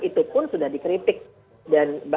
itu pun sudah dikritik dan